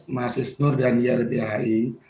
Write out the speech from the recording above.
mas isnur dan ylbhi